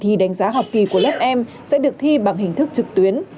thì đánh giá học kỳ của lớp em sẽ được thi bằng hình thức trực tuyến